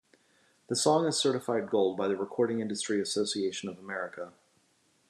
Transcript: The song is certified gold by the Recording Industry Association of America.